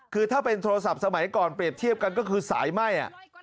คือถ้าเป็นโทรศัพท์สมัยก่อนเปรียบเทียบกันก็คือสายไหม้